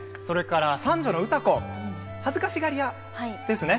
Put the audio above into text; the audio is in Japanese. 三女の歌子恥ずかしがり屋ですね。